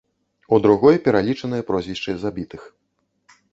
У другой пералічаныя прозвішчы забітых.